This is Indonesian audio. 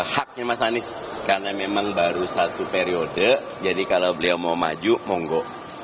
haknya mas anies karena memang baru satu periode jadi kalau beliau mau maju monggo